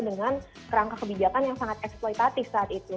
dengan rangka kebijakan yang sangat eksploitatif saat itu